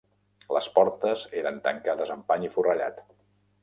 Les portes eren tancades amb pany i forrellat.